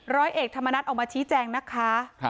ร้อยเอกธรรมนัฐออกมาชี้แจงนะคะ